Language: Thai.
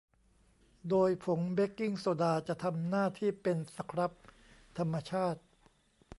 โดยผงเบกกิ้งโซดาจะทำหน้าที่เป็นสครับธรรมชาติ